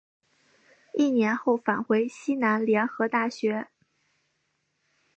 一年后返回西南联合大学。